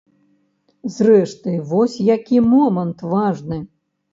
Зрэшты, вось які момант важны.